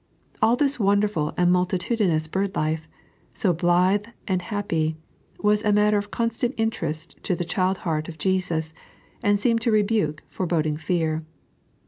All this wonderful and multitudinous bird life, so blithe and happy, was a matter of constant interest to the child heart of Jesus, and seemed to rebuke foreboding fear.